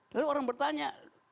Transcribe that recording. lalu orang bertanya